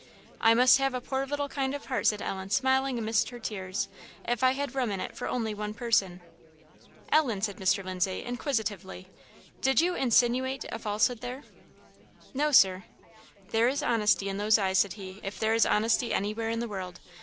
I must have a poor little kind of heart," said Ellen, smiling amidst her tears, "if I had room in it for only one person." "Ellen," said Mr. Lindsay, inquisitively, "did you insinuate a falsehood there?" "No, Sir." "There is honesty in those eyes," said he, "if there is honesty anywhere in the world.